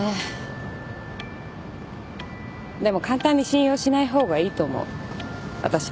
でも簡単に信用しない方がいいと思う私のことも。